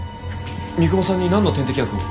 三雲さんになんの点滴薬を？